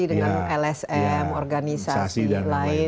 memfasilitasi dengan lsm organisasi dan lain lain